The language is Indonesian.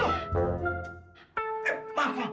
dia pengen bunyinya